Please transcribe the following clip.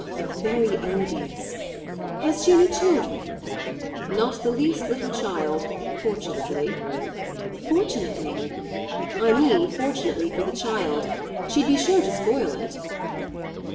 "You're very odious. Has she any children?" "Not the least little child fortunately." "Fortunately?" "I mean fortunately for the child. She'd be sure to spoil it."